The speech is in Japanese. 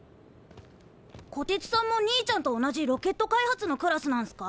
こてつさんも兄ちゃんと同じロケット開発のクラスなんすか？